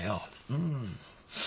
うん。